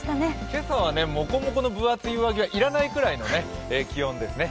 今朝はもこもこの分厚い上着はいらないぐらいの気温ですね。